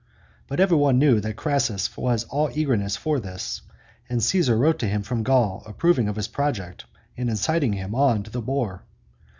But everybody knew that Crassus was all eagerness for this, and Caesar wrote to him from Gaul approv ing of his project, and inciting him on to the war.